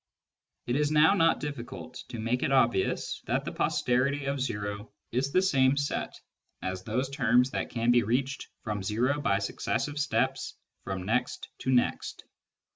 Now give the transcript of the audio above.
It is now not difficult to make it obvious that the posterity of o is the same set as those terms that can be reached from o by successive steps from next to next.